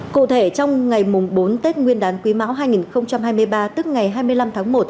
cụ thể trong ngày mùng bốn tết nguyên đán quý mão hai nghìn hai mươi ba tức ngày hai mươi năm tháng một